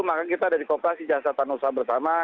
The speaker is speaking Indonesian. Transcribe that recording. maka kita dari kooperasi jasa tanpa usaha bersama